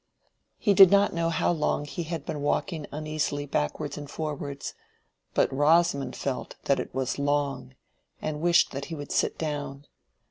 He did not know how long he had been walking uneasily backwards and forwards, but Rosamond felt that it was long, and wished that he would sit down.